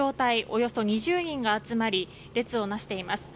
およそ２０人が列をなしています。